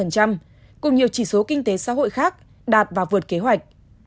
cùng nhiều chỉ số kinh tế xã hội khác đạt và vượt kế hoạch